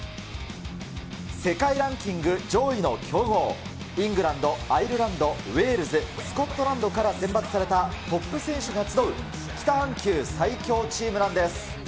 世界ランキング上位の強豪、イングランド、アイルランド、ウェールズ、スコットランドから選抜されたトップ選手が集う北半球最強チームなんです。